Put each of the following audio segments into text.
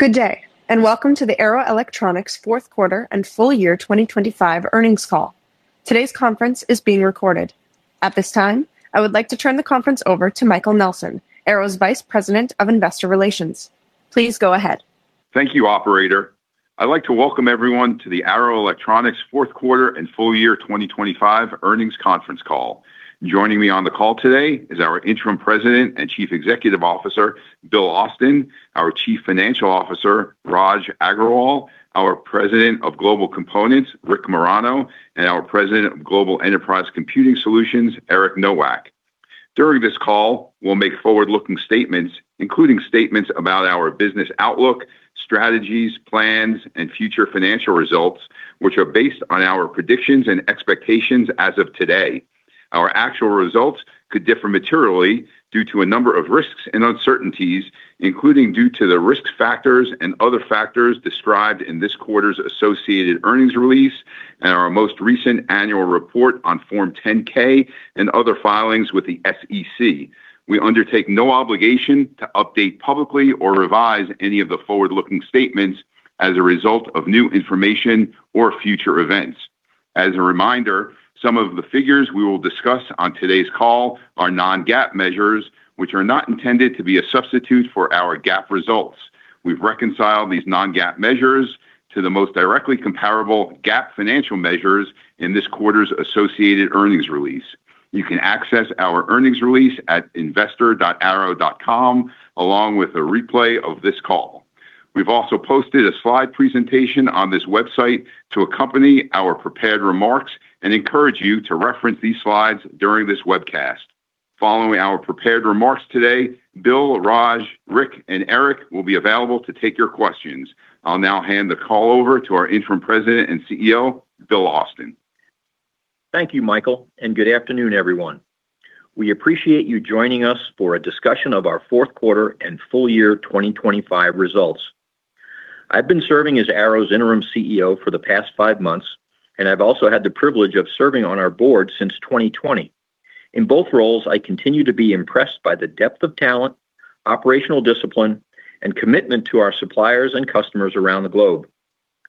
Good day, and welcome to the Arrow Electronics Fourth Quarter and Full Year 2025 Earnings Call. Today's conference is being recorded. At this time, I would like to turn the conference over to Michael Nelson, Arrow's Vice President of Investor Relations. Please go ahead. Thank you, operator. I'd like to welcome everyone to the Arrow Electronics fourth quarter and full year 2025 earnings conference call. Joining me on the call today is our Interim President and Chief Executive Officer, Bill Austin, our Chief Financial Officer, Raj Agrawal, our President of Global Components, Rick Marano, and our President of Global Enterprise Computing Solutions, Eric Nowak. During this call, we'll make forward-looking statements, including statements about our business outlook, strategies, plans, and future financial results, which are based on our predictions and expectations as of today. Our actual results could differ materially due to a number of risks and uncertainties, including due to the risk factors and other factors described in this quarter's associated earnings release and our most recent annual report on Form 10-K and other filings with the SEC. We undertake no obligation to update publicly or revise any of the forward-looking statements as a result of new information or future events. As a reminder, some of the figures we will discuss on today's call are non-GAAP measures, which are not intended to be a substitute for our GAAP results. We've reconciled these non-GAAP measures to the most directly comparable GAAP financial measures in this quarter's associated earnings release. You can access our earnings release at investor.arrow.com, along with a replay of this call. We've also posted a slide presentation on this website to accompany our prepared remarks and encourage you to reference these slides during this webcast. Following our prepared remarks today, Bill, Raj, Rick, and Eric will be available to take your questions. I'll now hand the call over to our Interim President and CEO, Bill Austin. Thank you, Michael, and good afternoon, everyone. We appreciate you joining us for a discussion of our fourth quarter and full year 2025 results. I've been serving as Arrow's Interim CEO for the past five months, and I've also had the privilege of serving on our Board since 2020. In both roles, I continue to be impressed by the depth of talent, operational discipline, and commitment to our suppliers and customers around the globe.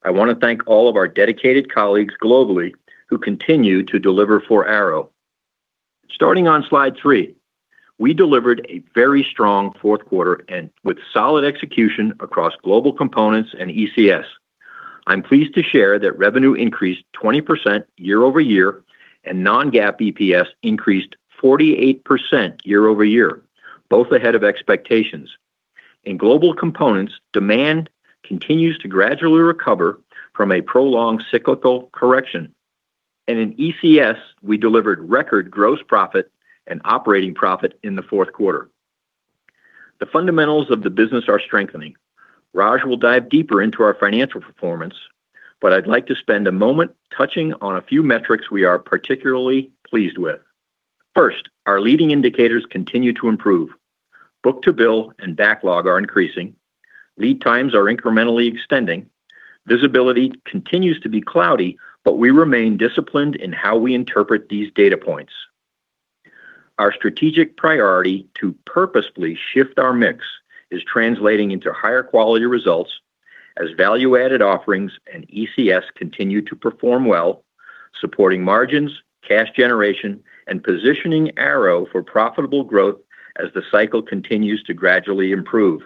I want to thank all of our dedicated colleagues globally who continue to deliver for Arrow. Starting on slide three, we delivered a very strong fourth quarter and with solid execution across Global Components and ECS. I'm pleased to share that revenue increased 20% year-over-year, and non-GAAP EPS increased 48% year-over-year, both ahead of expectations. In Global Components, demand continues to gradually recover from a prolonged cyclical correction. In ECS, we delivered record gross profit and operating profit in the fourth quarter. The fundamentals of the business are strengthening. Raj will dive deeper into our financial performance, but I'd like to spend a moment touching on a few metrics we are particularly pleased with. First, our leading indicators continue to improve. Book-to-bill and backlog are increasing. Lead times are incrementally extending. Visibility continues to be cloudy, but we remain disciplined in how we interpret these data points. Our strategic priority to purposefully shift our mix is translating into higher quality results as value-added offerings and ECS continue to perform well, supporting margins, cash generation, and positioning Arrow for profitable growth as the cycle continues to gradually improve.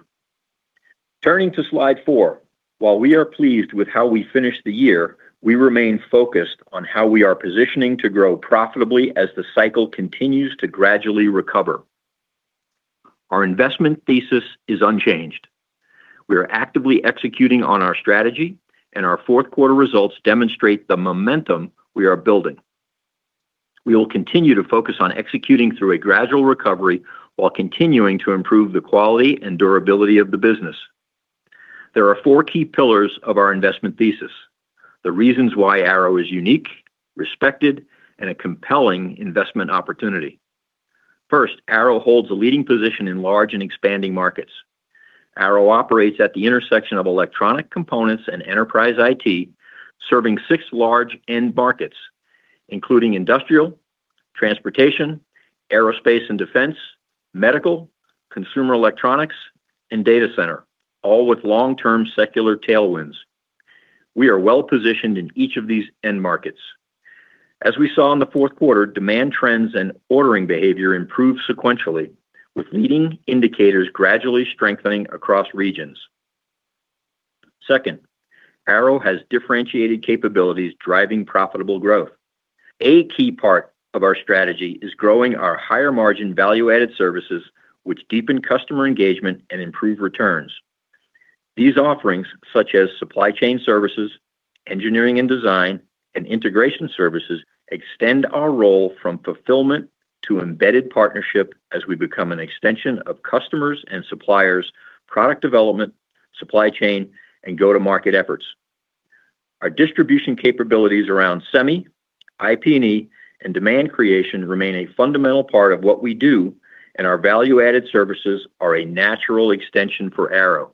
Turning to slide four, while we are pleased with how we finished the year, we remain focused on how we are positioning to grow profitably as the cycle continues to gradually recover. Our investment thesis is unchanged. We are actively executing on our strategy, and our fourth quarter results demonstrate the momentum we are building. We will continue to focus on executing through a gradual recovery while continuing to improve the quality and durability of the business. There are four key pillars of our investment thesis, the reasons why Arrow is unique, respected, and a compelling investment opportunity. First, Arrow holds a leading position in large and expanding markets. Arrow operates at the intersection of electronic components and enterprise IT, serving six large end markets, including industrial, transportation, aerospace and defense, medical, consumer electronics, and data center, all with long-term secular tailwinds. We are well-positioned in each of these end markets. As we saw in the fourth quarter, demand trends and ordering behavior improved sequentially, with leading indicators gradually strengthening across regions. Second, Arrow has differentiated capabilities driving profitable growth. A key part of our strategy is growing our higher-margin value-added services, which deepen customer engagement and improve returns. These offerings, such as supply chain services, engineering and design, and integration services, extend our role from fulfillment to embedded partnership as we become an extension of customers and suppliers, product development, supply chain, and go-to-market efforts. Our distribution capabilities around semi, IP&E, and demand creation remain a fundamental part of what we do, and our value-added services are a natural extension for Arrow.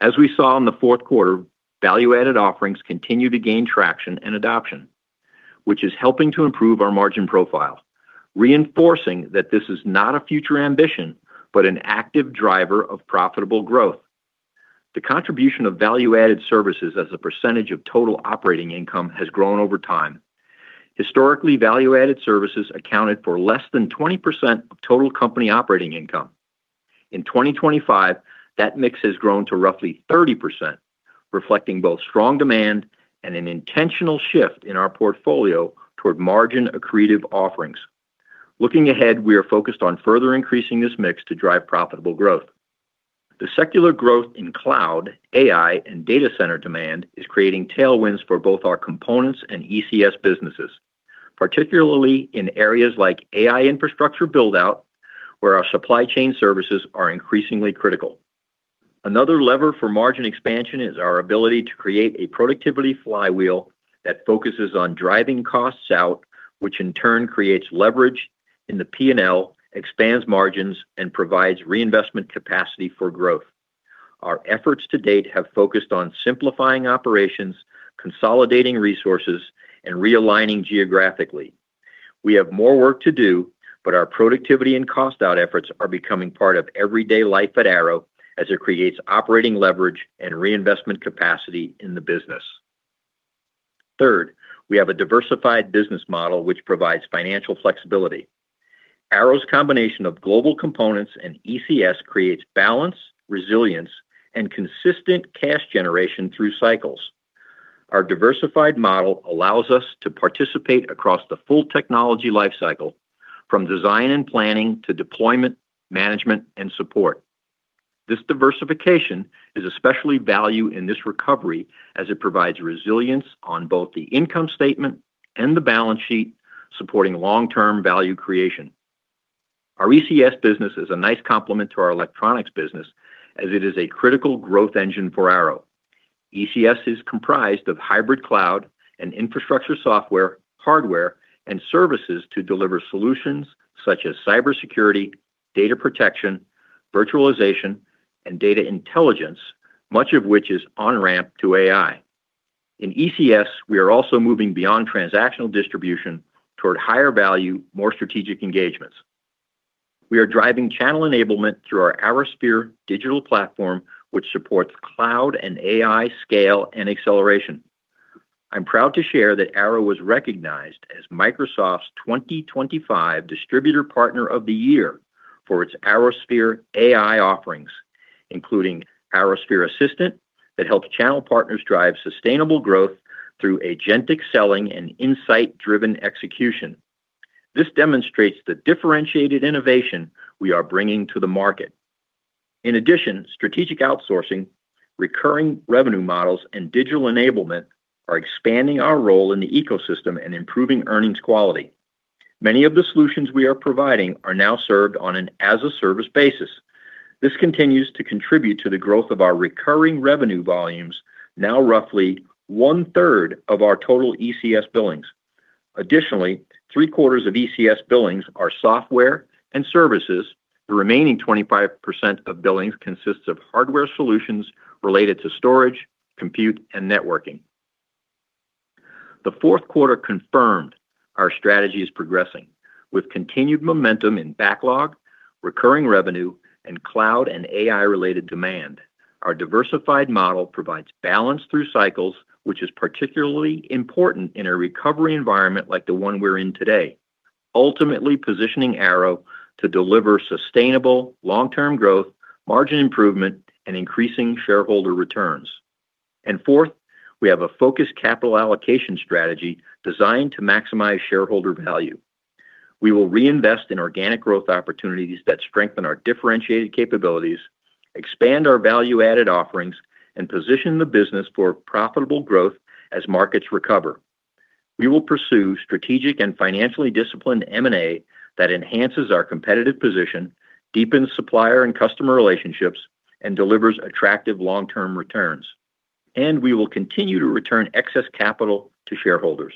As we saw in the fourth quarter, value-added offerings continue to gain traction and adoption which is helping to improve our margin profile, reinforcing that this is not a future ambition, but an active driver of profitable growth. The contribution of value-added services as a percentage of total operating income has grown over time. Historically, value-added services accounted for less than 20% of total company operating income. In 2025, that mix has grown to roughly 30%, reflecting both strong demand and an intentional shift in our portfolio toward margin accretive offerings. Looking ahead, we are focused on further increasing this mix to drive profitable growth. The secular growth in cloud, AI, and data center demand is creating tailwinds for both our components and ECS businesses, particularly in areas like AI infrastructure build-out, where our supply chain services are increasingly critical. Another lever for margin expansion is our ability to create a productivity flywheel that focuses on driving costs out, which in turn creates leverage in the P&L, expands margins, and provides reinvestment capacity for growth. Our efforts to date have focused on simplifying operations, consolidating resources, and realigning geographically. We have more work to do, but our productivity and cost out efforts are becoming part of everyday life at Arrow as it creates operating leverage and reinvestment capacity in the business. Third, we have a diversified business model, which provides financial flexibility. Arrow's combination of Global Components and ECS creates balance, resilience, and consistent cash generation through cycles. Our diversified model allows us to participate across the full technology lifecycle, from design and planning to deployment, management, and support. This diversification is especially valuable in this recovery as it provides resilience on both the income statement and the balance sheet, supporting long-term value creation. Our ECS business is a nice complement to our electronics business as it is a critical growth engine for Arrow. ECS is comprised of hybrid cloud and infrastructure software, hardware, and services to deliver solutions such as cybersecurity, data protection, virtualization, and data intelligence, much of which is on-ramp to AI. In ECS, we are also moving beyond transactional distribution toward higher value, more strategic engagements. We are driving channel enablement through our ArrowSphere digital platform, which supports cloud and AI scale and acceleration. I'm proud to share that Arrow was recognized as Microsoft's 2025 Distributor Partner of the Year for its ArrowSphere AI offerings, including ArrowSphere Assistant, that helps channel partners drive sustainable growth through agentic selling and insight-driven execution. This demonstrates the differentiated innovation we are bringing to the market. In addition, strategic outsourcing, recurring revenue models, and digital enablement are expanding our role in the ecosystem and improving earnings quality. Many of the solutions we are providing are now served on an as-a-service basis. This continues to contribute to the growth of our recurring revenue volumes, now roughly 1/3 of our total ECS billings. Additionally, 3/4 of ECS billings are software and services. The remaining 25% of billings consists of hardware solutions related to storage, compute, and networking. The fourth quarter confirmed our strategy is progressing with continued momentum in backlog, recurring revenue, and cloud and AI-related demand. Our diversified model provides balance through cycles, which is particularly important in a recovery environment like the one we're in today, ultimately positioning Arrow to deliver sustainable long-term growth, margin improvement, and increasing shareholder returns. And fourth, we have a focused capital allocation strategy designed to maximize shareholder value. We will reinvest in organic growth opportunities that strengthen our differentiated capabilities, expand our value-added offerings, and position the business for profitable growth as markets recover. We will pursue strategic and financially disciplined M&A that enhances our competitive position, deepens supplier and customer relationships, and delivers attractive long-term returns, and we will continue to return excess capital to shareholders.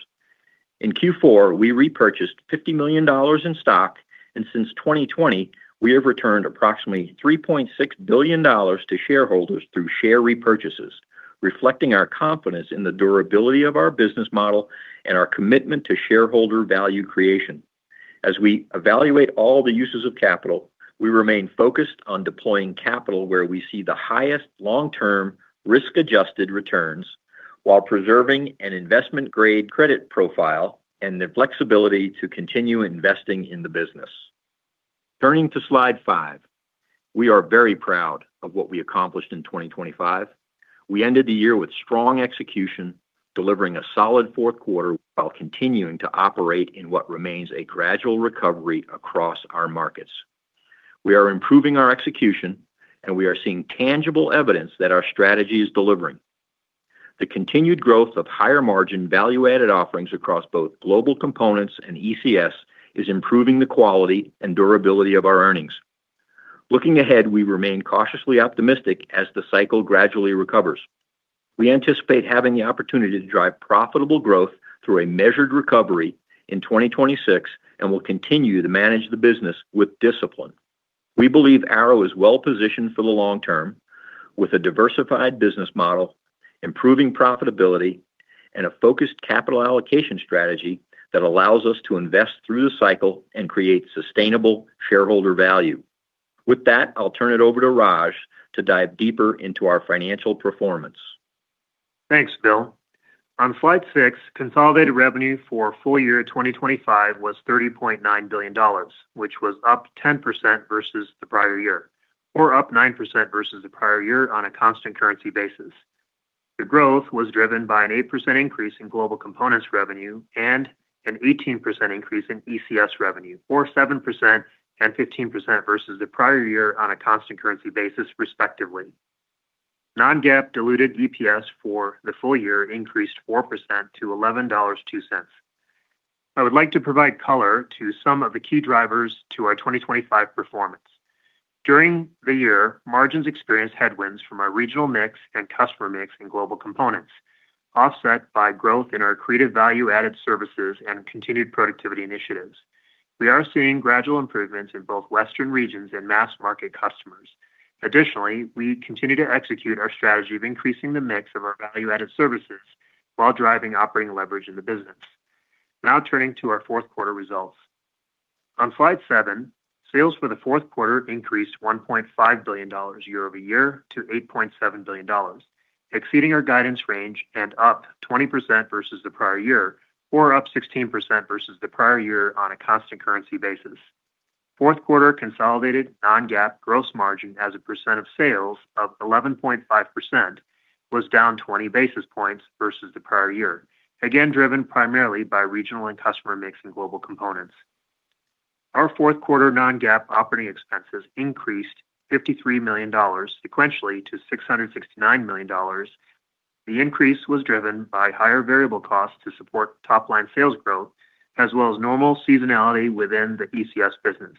In Q4, we repurchased $50 million in stock, and since 2020, we have returned approximately $3.6 billion to shareholders through share repurchases, reflecting our confidence in the durability of our business model and our commitment to shareholder value creation. As we evaluate all the uses of capital, we remain focused on deploying capital where we see the highest long-term risk-adjusted returns, while preserving an investment-grade credit profile and the flexibility to continue investing in the business. Turning to slide five, we are very proud of what we accomplished in 2025. We ended the year with strong execution, delivering a solid fourth quarter while continuing to operate in what remains a gradual recovery across our markets. We are improving our execution, and we are seeing tangible evidence that our strategy is delivering. The continued growth of higher-margin, value-added offerings across both Global Components and ECS is improving the quality and durability of our earnings. Looking ahead, we remain cautiously optimistic as the cycle gradually recovers. We anticipate having the opportunity to drive profitable growth through a measured recovery in 2026 and will continue to manage the business with discipline. We believe Arrow is well positioned for the long term, with a diversified business model, improving profitability, and a focused capital allocation strategy that allows us to invest through the cycle and create sustainable shareholder value. With that, I'll turn it over to Raj to dive deeper into our financial performance. Thanks, Bill. On slide six, consolidated revenue for full year 2025 was $30.9 billion, which was up 10% versus the prior year, or up 9% versus the prior year on a constant currency basis. The growth was driven by an 8% increase in Global Components revenue and an 18% increase in ECS revenue, or 7% and 15% versus the prior year on a constant currency basis, respectively. Non-GAAP diluted EPS for the full year increased 4% to $11.02. I would like to provide color to some of the key drivers to our 2025 performance. During the year, margins experienced headwinds from our regional mix and customer mix in Global Components, offset by growth in our creative value-added services and continued productivity initiatives. We are seeing gradual improvements in both Western regions and mass market customers. Additionally, we continue to execute our strategy of increasing the mix of our value-added services while driving operating leverage in the business. Now turning to our fourth quarter results. On Slide seven, sales for the fourth quarter increased $1.5 billion year-over-year to $8.7 billion, exceeding our guidance range and up 20% versus the prior year, or up 16% versus the prior year on a constant currency basis. Fourth quarter consolidated non-GAAP gross margin as a percent of sales of 11.5% was down 20 basis points versus the prior year, again, driven primarily by regional and customer mix in Global Components. Our fourth quarter non-GAAP operating expenses increased $53 million sequentially to $669 million. The increase was driven by higher variable costs to support top-line sales growth, as well as normal seasonality within the ECS business.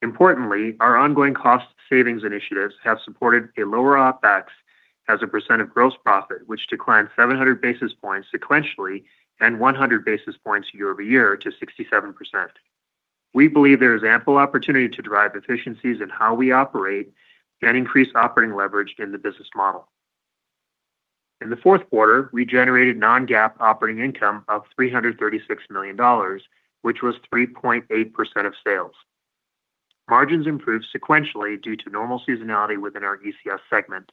Importantly, our ongoing cost savings initiatives have supported a lower OpEx as a percent of gross profit, which declined 700 basis points sequentially and 100 basis points year-over-year to 67%. We believe there is ample opportunity to drive efficiencies in how we operate and increase operating leverage in the business model. In the fourth quarter, we generated non-GAAP operating income of $336 million, which was 3.8% of sales. Margins improved sequentially due to normal seasonality within our ECS segment.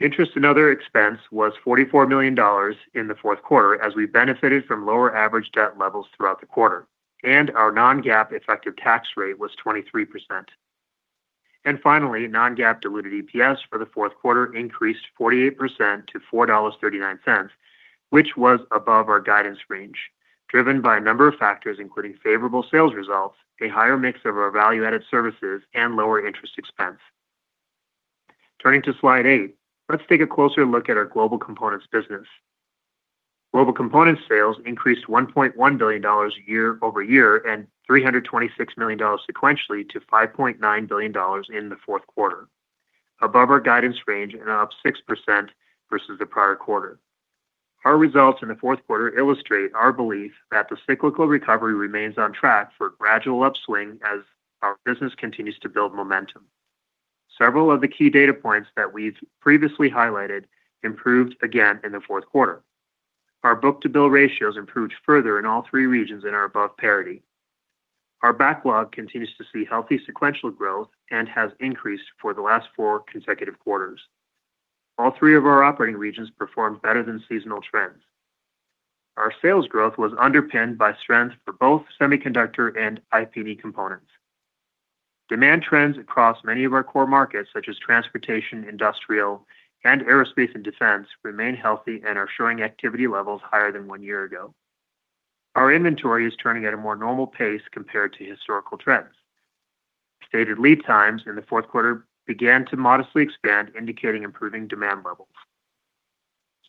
Interest and other expense was $44 million in the fourth quarter, as we benefited from lower average debt levels throughout the quarter, and our non-GAAP effective tax rate was 23%. Finally, non-GAAP diluted EPS for the fourth quarter increased 48% to $4.39, which was above our guidance range, driven by a number of factors, including favorable sales results, a higher mix of our value-added services, and lower interest expense. Turning to slide eight, let's take a closer look at our Global Components business. Global Components sales increased $1.1 billion year-over-year and $326 million sequentially to $5.9 billion in the fourth quarter, above our guidance range and up 6% versus the prior quarter. Our results in the fourth quarter illustrate our belief that the cyclical recovery remains on track for a gradual upswing as our business continues to build momentum. Several of the key data points that we've previously highlighted improved again in the fourth quarter. Our book-to-bill ratios improved further in all three regions and are above parity. Our backlog continues to see healthy sequential growth and has increased for the last four consecutive quarters. All three of our operating regions performed better than seasonal trends. Our sales growth was underpinned by strength for both semiconductor and IP&E components. Demand trends across many of our core markets, such as transportation, industrial, and aerospace and defense, remain healthy and are showing activity levels higher than one year ago. Our inventory is turning at a more normal pace compared to historical trends. Stated lead times in the fourth quarter began to modestly expand, indicating improving demand levels.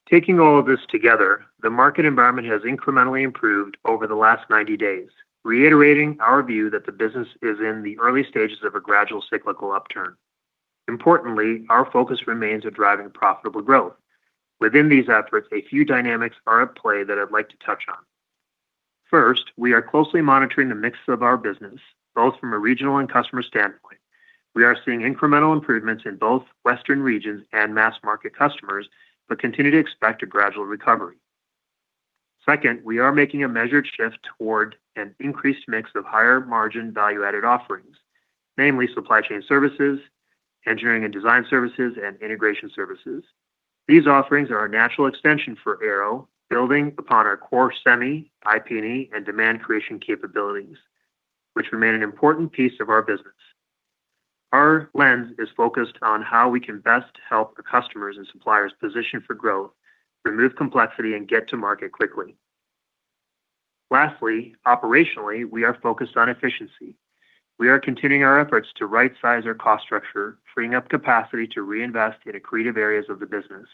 Taking all of this together, the market environment has incrementally improved over the last 90 days, reiterating our view that the business is in the early stages of a gradual cyclical upturn. Importantly, our focus remains on driving profitable growth. Within these efforts, a few dynamics are at play that I'd like to touch on. First, we are closely monitoring the mix of our business, both from a regional and customer standpoint. We are seeing incremental improvements in both Western regions and mass market customers, but continue to expect a gradual recovery. Second, we are making a measured shift toward an increased mix of higher margin value-added offerings, namely supply chain services, engineering and design services, and integration services. These offerings are a natural extension for Arrow, building upon our core semi, IP&E, and demand creation capabilities, which remain an important piece of our business. Our lens is focused on how we can best help the customers and suppliers position for growth, remove complexity, and get to market quickly. Lastly, operationally, we are focused on efficiency. We are continuing our efforts to rightsize our cost structure, freeing up capacity to reinvest in accretive areas of the business.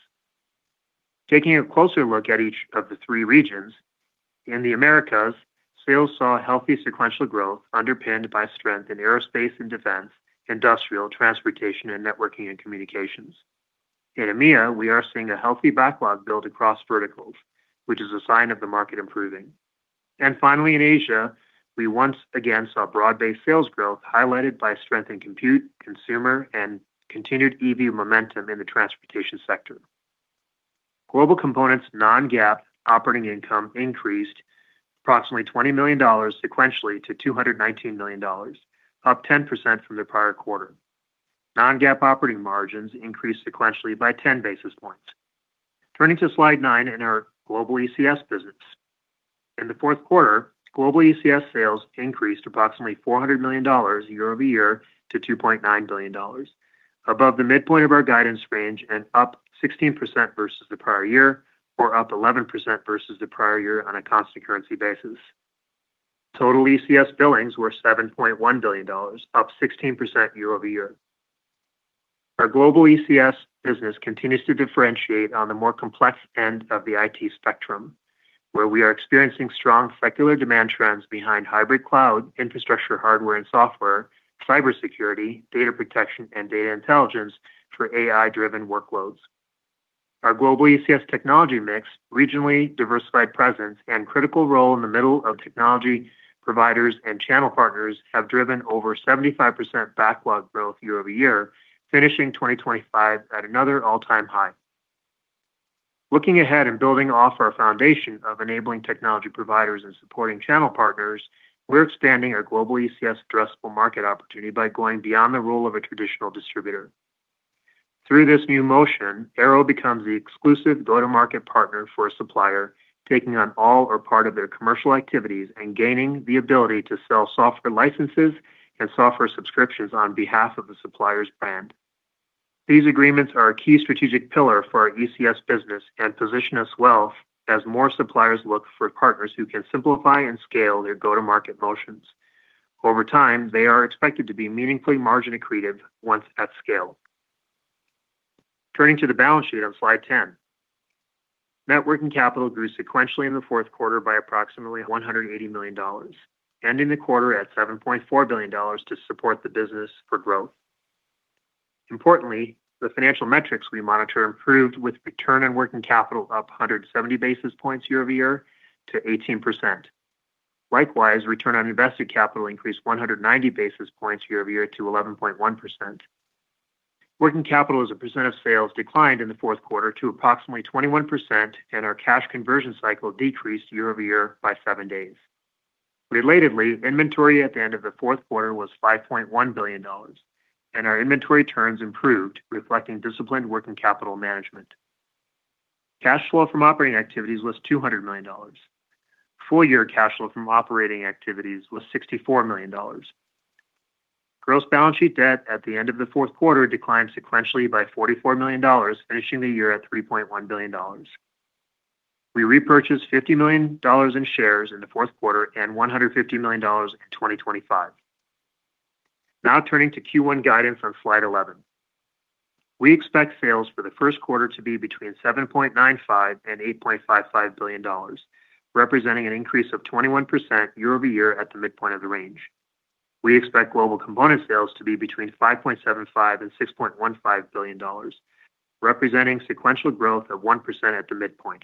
Taking a closer look at each of the three regions. In the Americas, sales saw healthy sequential growth underpinned by strength in aerospace and defense, industrial, transportation, and networking and communications. In EMEA, we are seeing a healthy backlog build across verticals, which is a sign of the market improving. And finally, in Asia, we once again saw broad-based sales growth, highlighted by strength in compute, consumer, and continued EV momentum in the transportation sector. Global Components non-GAAP operating income increased approximately $20 million sequentially to $219 million, up 10% from the prior quarter. Non-GAAP operating margins increased sequentially by 10 basis points. Turning to slide nine in our Global ECS business. In the fourth quarter, Global ECS sales increased approximately $400 million year-over-year to $2.9 billion, above the midpoint of our guidance range and up 16% versus the prior year or up 11% versus the prior year on a constant currency basis. Total ECS billings were $7.1 billion, up 16% year-over-year. Our Global ECS business continues to differentiate on the more complex end of the IT spectrum, where we are experiencing strong secular demand trends behind hybrid cloud, infrastructure, hardware and software, cybersecurity, data protection, and data intelligence for AI-driven workloads. Our Global ECS technology mix, regionally diversified presence, and critical role in the middle of technology providers and channel partners have driven over 75% backlog growth year-over-year, finishing 2025 at another all-time high. Looking ahead and building off our foundation of enabling technology providers and supporting channel partners, we're expanding our Global ECS addressable market opportunity by going beyond the role of a traditional distributor. Through this new motion, Arrow becomes the exclusive go-to-market partner for a supplier, taking on all or part of their commercial activities and gaining the ability to sell software licenses and software subscriptions on behalf of the supplier's brand. These agreements are a key strategic pillar for our ECS business and position us well as more suppliers look for partners who can simplify and scale their go-to-market motions. Over time, they are expected to be meaningfully margin accretive once at scale. Turning to the balance sheet on slide 10. Net working capital grew sequentially in the fourth quarter by approximately $180 million, ending the quarter at $7.4 billion to support the business for growth. Importantly, the financial metrics we monitor improved with return on working capital up 170 basis points year-over-year to 18%. Likewise, return on invested capital increased 190 basis points year-over-year to 11.1%. Working capital as a percent of sales declined in the fourth quarter to approximately 21%, and our cash conversion cycle decreased year-over-year by seven days. Relatedly, inventory at the end of the fourth quarter was $5.1 billion, and our inventory turns improved, reflecting disciplined working capital management. Cash flow from operating activities was $200 million. Full-year cash flow from operating activities was $64 million. Gross balance sheet debt at the end of the fourth quarter declined sequentially by $44 million, finishing the year at $3.1 billion. We repurchased $50 million in shares in the fourth quarter and $150 million in 2025. Now turning to Q1 guidance on slide 11. We expect sales for the first quarter to be between $7.95 billion-$8.55 billion, representing an increase of 21% year-over-year at the midpoint of the range. We expect Global Components sales to be between $5.75 billion-$6.15 billion, representing sequential growth of 1% at the midpoint.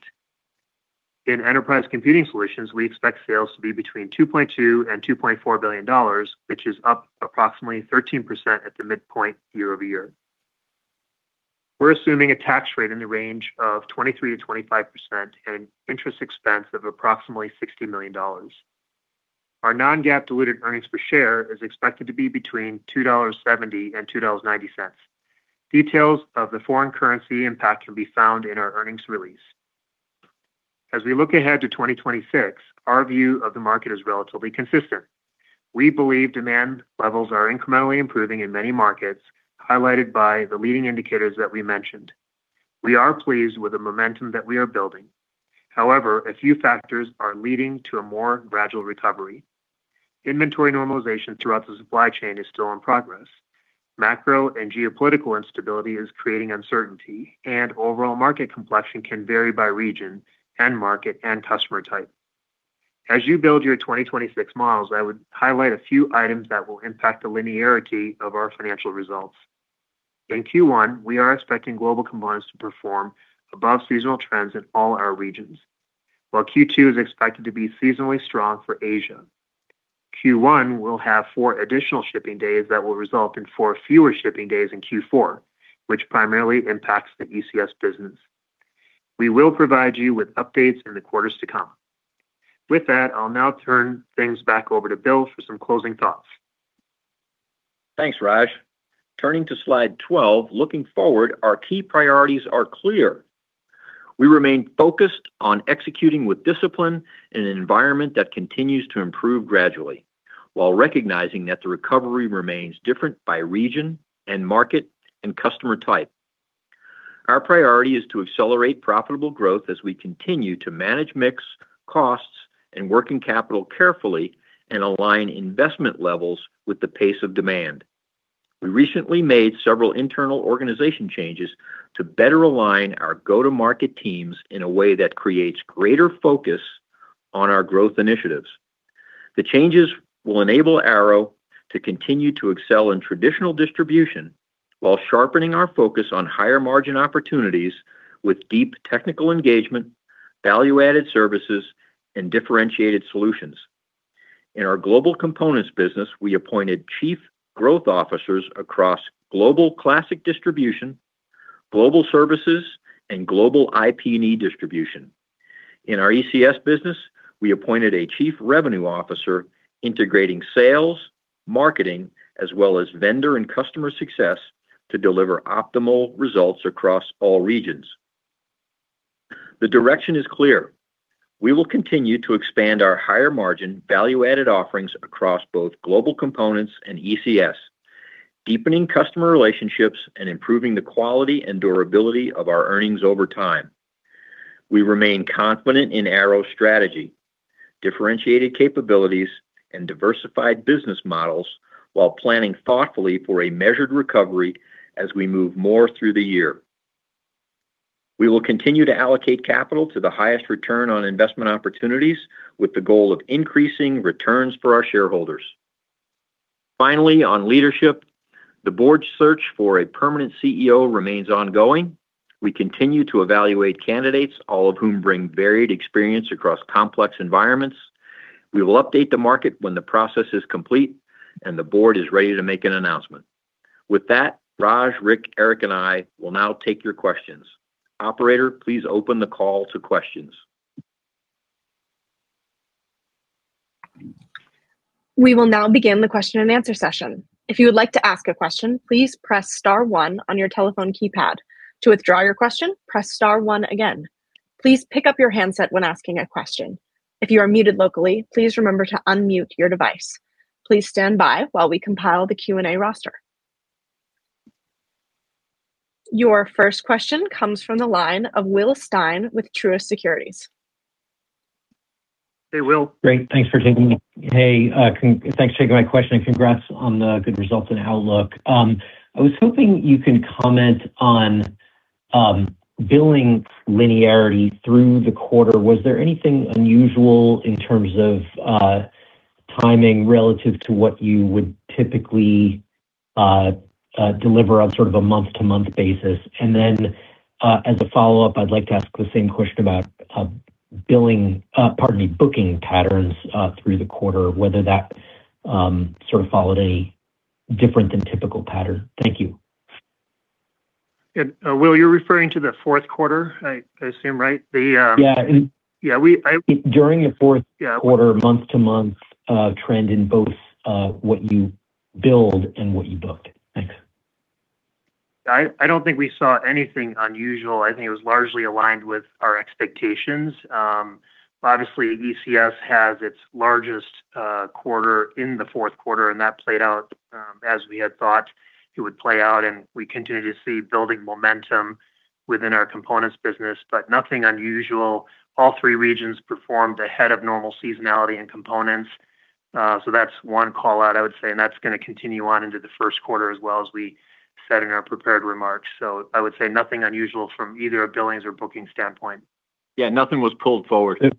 In Enterprise Computing Solutions, we expect sales to be between $2.2 billion-$2.4 billion, which is up approximately 13% at the midpoint year-over-year. We're assuming a tax rate in the range of 23%-25% and interest expense of approximately $60 million. Our non-GAAP diluted earnings per share is expected to be between $2.70 and $2.90. Details of the foreign currency impact can be found in our earnings release. As we look ahead to 2026, our view of the market is relatively consistent. We believe demand levels are incrementally improving in many markets, highlighted by the leading indicators that we mentioned. We are pleased with the momentum that we are building. However, a few factors are leading to a more gradual recovery. Inventory normalization throughout the supply chain is still in progress. Macro and geopolitical instability is creating uncertainty, and overall market complexion can vary by region, and market, and customer type. As you build your 2026 models, I would highlight a few items that will impact the linearity of our financial results. In Q1, we are expecting Global Components to perform above seasonal trends in all our regions, while Q2 is expected to be seasonally strong for Asia. Q1 will have four additional shipping days that will result in four fewer shipping days in Q4, which primarily impacts the ECS business. We will provide you with updates in the quarters to come. With that, I'll now turn things back over to Bill for some closing thoughts. Thanks, Raj. Turning to slide 12, looking forward, our key priorities are clear. We remain focused on executing with discipline in an environment that continues to improve gradually, while recognizing that the recovery remains different by region, and market, and customer type. Our priority is to accelerate profitable growth as we continue to manage mix, costs, and working capital carefully and align investment levels with the pace of demand. We recently made several internal organization changes to better align our go-to-market teams in a way that creates greater focus on our growth initiatives. The changes will enable Arrow to continue to excel in traditional distribution while sharpening our focus on higher margin opportunities with deep technical engagement, value-added services, and differentiated solutions. In our Global Components business, we appointed Chief Growth Officers across Global Classic Distribution, Global Services, and Global IP&E Distribution. In our ECS business, we appointed a Chief Revenue Officer, integrating sales, marketing, as well as vendor and customer success to deliver optimal results across all regions. The direction is clear. We will continue to expand our higher margin, value-added offerings across both Global Components and ECS, deepening customer relationships and improving the quality and durability of our earnings over time. We remain confident in Arrow's strategy, differentiated capabilities, and diversified business models, while planning thoughtfully for a measured recovery as we move more through the year. We will continue to allocate capital to the highest return on investment opportunities, with the goal of increasing returns for our shareholders. Finally, on leadership, the Board's search for a permanent CEO remains ongoing. We continue to evaluate candidates, all of whom bring varied experience across complex environments. We will update the market when the process is complete and the Board is ready to make an announcement. With that, Raj, Rick, Eric, and I will now take your questions. Operator, please open the call to questions. We will now begin the question and answer session. If you would like to ask a question, please press star one on your telephone keypad. To withdraw your question, press star one again. Please pick up your handset when asking a question. If you are muted locally, please remember to unmute your device. Please stand by while we compile the Q&A roster. Your first question comes from the line of Will Stein with Truist Securities. Hey, Will. Great. Thanks for taking me. Hey, thanks for taking my question, and congrats on the good results and outlook. I was hoping you can comment on billing linearity through the quarter. Was there anything unusual in terms of timing relative to what you would typically deliver on sort of a month-to-month basis? And then, as a follow-up, I'd like to ask the same question about billing, pardon me, booking patterns through the quarter, whether that sort of followed a different than typical pattern. Thank you. Will, you're referring to the fourth quarter, I assume, right? The- Yeah. Yeah, I- During the fourth- Yeah.... quarter, month-to-month, trend in both, what you billed and what you booked. Thanks. I don't think we saw anything unusual. I think it was largely aligned with our expectations. Obviously, ECS has its largest quarter in the fourth quarter, and that played out as we had thought it would play out, and we continue to see building momentum within our Components business, but nothing unusual. All three regions performed ahead of normal seasonality and components. So that's one call-out, I would say, and that's gonna continue on into the first quarter as well as we said in our prepared remarks. So I would say nothing unusual from either a billings or booking standpoint. Yeah, nothing was pulled forward.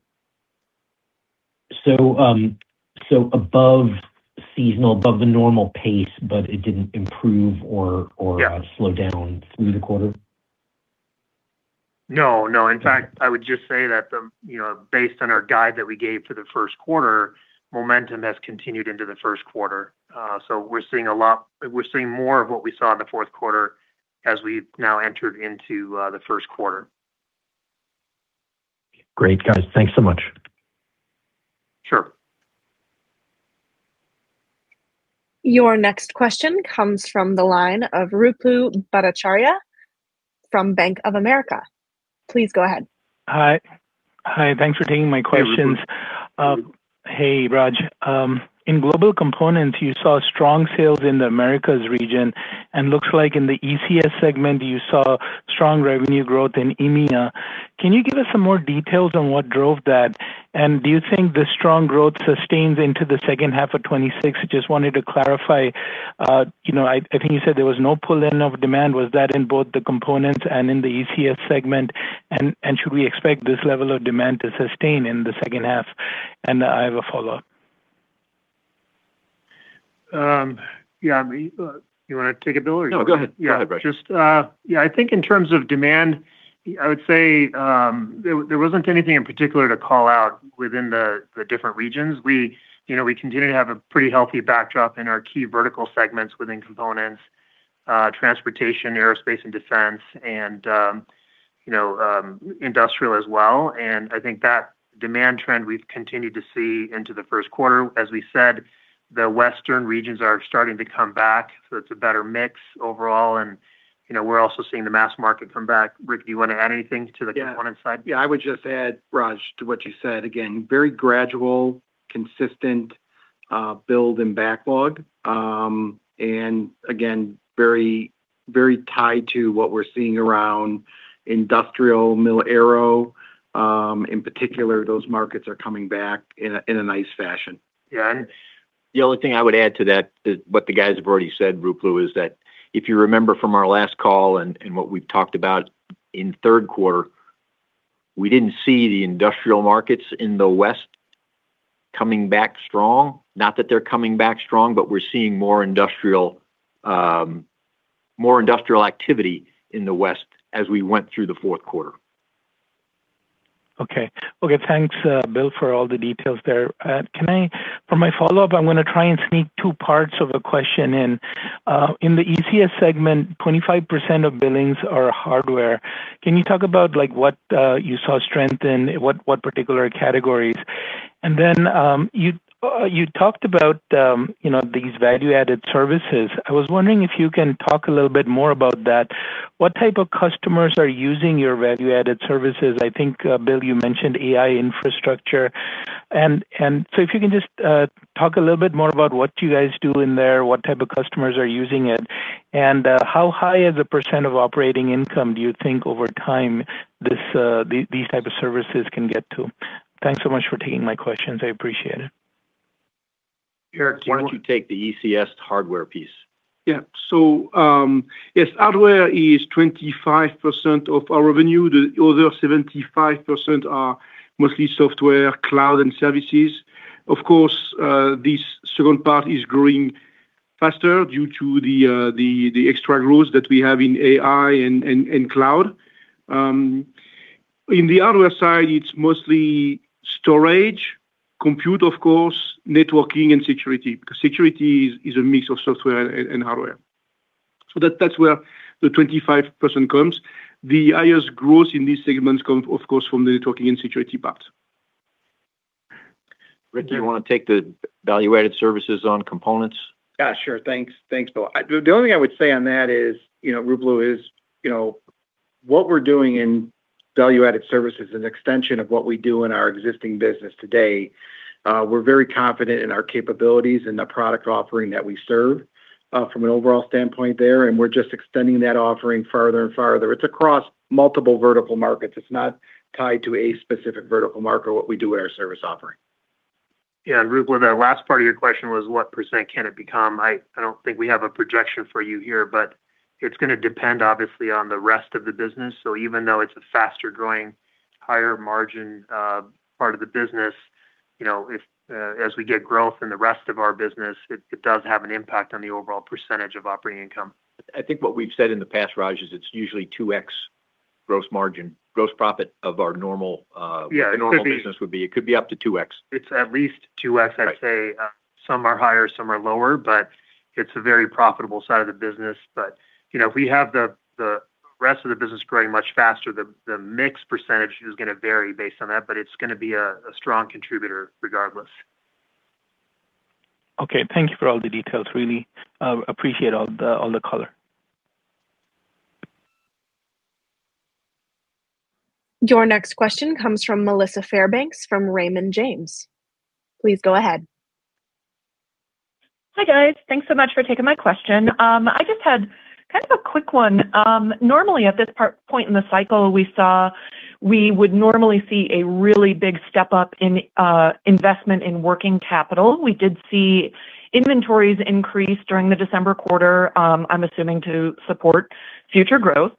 So, above seasonal, above the normal pace, but it didn't improve or— Yeah.... slow down through the quarter? No, no. In fact, I would just say that the, you know, based on our guide that we gave for the first quarter, momentum has continued into the first quarter. So we're seeing more of what we saw in the fourth quarter as we've now entered into the first quarter. Great, guys. Thanks so much. Sure. Your next question comes from the line of Ruplu Bhattacharya from Bank of America. Please go ahead. Hi. Hi, thanks for taking my questions. Hey, Ruplu. Hey, Raj. In Global Components, you saw strong sales in the Americas region, and looks like in the ECS segment, you saw strong revenue growth in EMEA. Can you give us some more details on what drove that? And do you think the strong growth sustains into the second half of 2026? Just wanted to clarify, you know, I think you said there was no pull-in of demand. Was that in both the components and in the ECS segment? And should we expect this level of demand to sustain in the second half? And I have a follow-up. Yeah, you wanna take it, Bill? No, go ahead. Yeah. Go ahead, Raj. Just, yeah, I think in terms of demand, I would say, there wasn't anything in particular to call out within the different regions. We, you know, we continue to have a pretty healthy backdrop in our key vertical segments within components, transportation, aerospace and defense, and, you know, industrial as well. And I think that demand trend we've continued to see into the first quarter. As we said, the Western regions are starting to come back, so it's a better mix overall. And, you know, we're also seeing the mass market come back. Rick, do you want to add anything to the component side? Yeah, I would just add, Raj, to what you said. Again, very gradual, consistent build and backlog. And again, very, very tied to what we're seeing around industrial, mil, aero. In particular, those markets are coming back in a nice fashion. Yeah, and- The only thing I would add to that is what the guys have already said, Ruplu, is that if you remember from our last call and what we've talked about in third quarter. We didn't see the industrial markets in the West coming back strong. Not that they're coming back strong, but we're seeing more industrial, more industrial activity in the West as we went through the fourth quarter. Okay. Okay, thanks, Bill, for all the details there. For my follow-up, I'm gonna try and sneak two parts of the question in. In the ECS segment, 25% of billings are hardware. Can you talk about, like, what you saw strength in, what particular categories? And then, you talked about, you know, these value-added services. I was wondering if you can talk a little bit more about that. What type of customers are using your value-added services? I think, Bill, you mentioned AI infrastructure. And so if you can just talk a little bit more about what you guys do in there, what type of customers are using it, and how high as a percent of operating income do you think over time these type of services can get to? Thanks so much for taking my questions. I appreciate it. Eric, why don't you take the ECS hardware piece? Yeah. So, yes, hardware is 25% of our revenue. The other 75% are mostly software, cloud, and services. Of course, this second part is growing faster due to the extra growth that we have in AI and cloud. In the hardware side, it's mostly storage, compute, of course, networking, and security, because security is a mix of software and hardware. So that, that's where the 25% comes. The highest growth in these segments come, of course, from the networking and security part. Rick, do you wanna take the value-added services on components? Yeah, sure. Thanks. Thanks, Bill. The only thing I would say on that is, you know, Ruplu is, you know, what we're doing in value-added services is an extension of what we do in our existing business today. We're very confident in our capabilities and the product offering that we serve from an overall standpoint there, and we're just extending that offering farther and farther. It's across multiple vertical markets. It's not tied to a specific vertical market, what we do in our service offering. Yeah, and Ruplu, the last part of your question was what percent can it become? I, I don't think we have a projection for you here, but it's gonna depend, obviously, on the rest of the business. So even though it's a faster-growing, higher margin, part of the business, you know, if, as we get growth in the rest of our business, it, it does have an impact on the overall percentage of operating income. I think what we've said in the past, Raj, is it's usually 2x gross margin, gross profit of our normal- Yeah, it could be- The normal business would be. It could be up to 2x. It's at least 2x, I'd say. Right. Some are higher, some are lower, but it's a very profitable side of the business. But, you know, if we have the rest of the business growing much faster, the mix percentage is gonna vary based on that, but it's gonna be a strong contributor regardless. Okay. Thank you for all the details. Really, appreciate all the color. Your next question comes from Melissa Fairbanks, from Raymond James. Please go ahead. Hi, guys. Thanks so much for taking my question. I just had kind of a quick one. Normally at this point in the cycle, we would normally see a really big step up in investment in working capital. We did see inventories increase during the December quarter. I'm assuming to support future growth.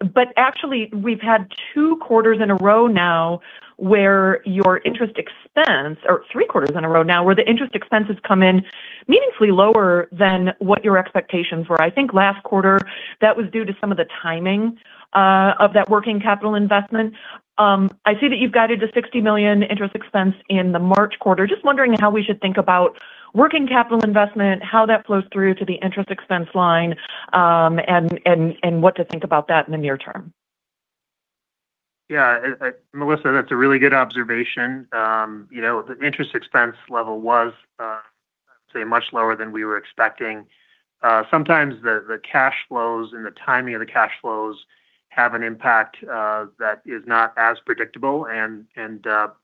But actually, we've had two quarters in a row now where your interest expense, or three quarters in a row now, where the interest expenses come in meaningfully lower than what your expectations were. I think last quarter, that was due to some of the timing of that working capital investment. I see that you've guided the $60 million interest expense in the March quarter. Just wondering how we should think about working capital investment, how that flows through to the interest expense line, and what to think about that in the near term. Yeah, Melissa, that's a really good observation. You know, the interest expense level was, say, much lower than we were expecting. Sometimes the cash flows and the timing of the cash flows have an impact that is not as predictable, and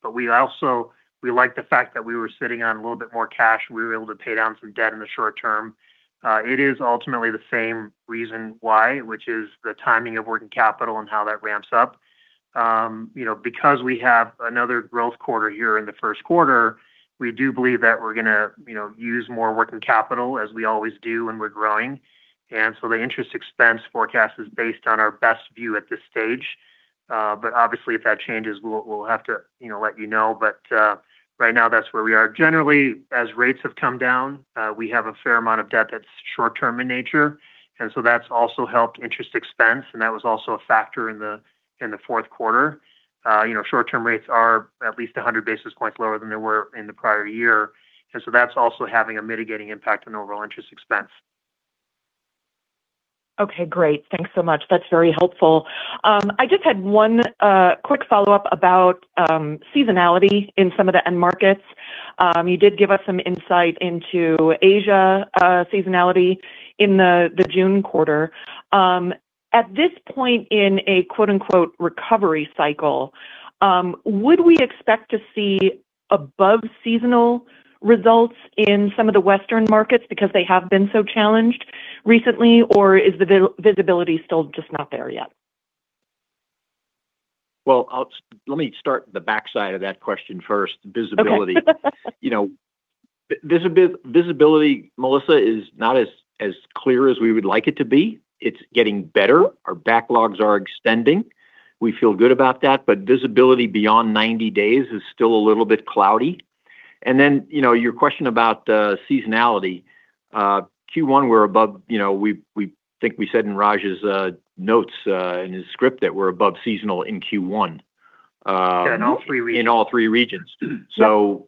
but we also like the fact that we were sitting on a little bit more cash, and we were able to pay down some debt in the short term. It is ultimately the same reason why, which is the timing of working capital and how that ramps up. You know, because we have another growth quarter here in the first quarter, we do believe that we're gonna, you know, use more working capital, as we always do when we're growing. And so the interest expense forecast is based on our best view at this stage. But obviously, if that changes, we'll have to, you know, let you know. But right now, that's where we are. Generally, as rates have come down, we have a fair amount of debt that's short-term in nature, and so that's also helped interest expense, and that was also a factor in the fourth quarter. You know, short-term rates are at least 100 basis points lower than they were in the prior year, and so that's also having a mitigating impact on overall interest expense. Okay, great. Thanks so much. That's very helpful. I just had one quick follow-up about seasonality in some of the end markets. You did give us some insight into Asia seasonality in the June quarter. At this point in a, quote, unquote, "recovery cycle," would we expect to see above seasonal results in some of the Western markets because they have been so challenged recently, or is the visibility still just not there yet? Well, let me start the backside of that question first, visibility. Okay. You know, visibility, Melissa, is not as clear as we would like it to be. It's getting better. Our backlogs are extending. We feel good about that, but visibility beyond 90 days is still a little bit cloudy. And then, you know, your question about seasonality, Q1, we're above, you know, we think we said in Raj's notes, in his script, that we're above seasonal in Q1. Yeah, in all three regions. In all three regions. So,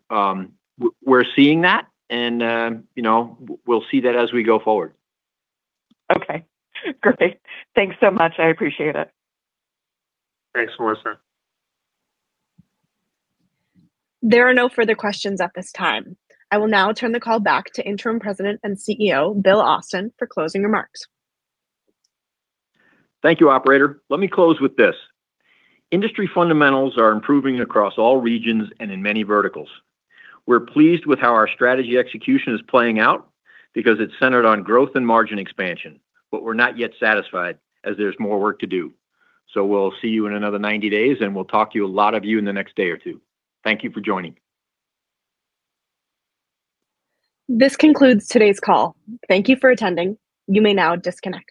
we're seeing that, and, you know, we'll see that as we go forward. Okay, great. Thanks so much. I appreciate it. Thanks, Melissa. There are no further questions at this time. I will now turn the call back to Interim President and CEO, Bill Austin, for closing remarks. Thank you, Operator. Let me close with this: Industry fundamentals are improving across all regions and in many verticals. We're pleased with how our strategy execution is playing out because it's centered on growth and margin expansion, but we're not yet satisfied, as there's more work to do. So we'll see you in another 90 days, and we'll talk to a lot of you in the next day or two. Thank you for joining. This concludes today's call. Thank you for attending. You may now disconnect.